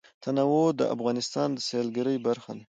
تنوع د افغانستان د سیلګرۍ برخه ده.